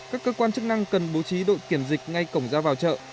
các cơ quan chức năng cần bố trí đội kiểm dịch ngay cổng ra vào chợ